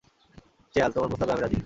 Chall, তোমার প্রস্তাবে আমি রাজী!